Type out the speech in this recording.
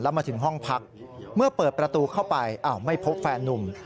มาถึงห้องพักเมื่อเปิดประตูเข้าไปอ้าวไม่พบแฟนนุ่ม